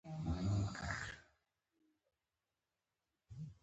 کمې خبرې، لوی اثر لري.